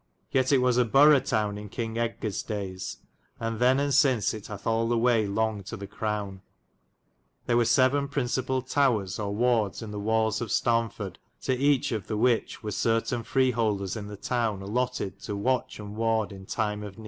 Yet it was a borow towne in Kynge Edgares dayes, and then and syns it hathe all way l(fngyd to the Crowne. There were 7. principall towers or wards in the waulls of Staunford, to eche of the whiche were certeyne freholders in the towne allottid to wache and warde in tyme of neadde.